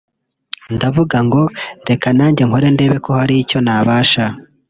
ndavuga ngo reka nanjye nkore ndebe ko hari icyo nabafasha